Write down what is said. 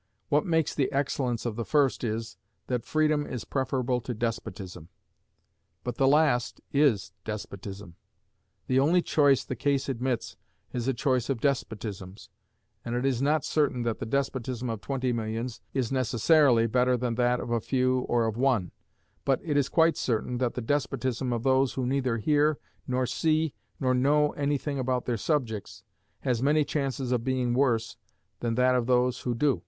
What makes the excellence of the first is, that freedom is preferable to despotism: but the last is despotism. The only choice the case admits is a choice of despotisms, and it is not certain that the despotism of twenty millions is necessarily better than that of a few or of one; but it is quite certain that the despotism of those who neither hear, nor see, nor know any thing about their subjects, has many chances of being worse than that of those who do.